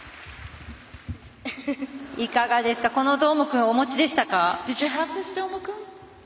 いかがですか、このどーもくんお持ちでしたか？